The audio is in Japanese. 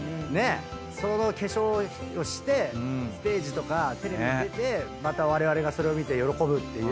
その化粧をしてステージとかテレビに出てまたわれわれがそれを見て喜ぶっていうものになるわけだから。